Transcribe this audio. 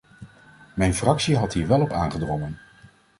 Mijn fractie had hier wel op aangedrongen.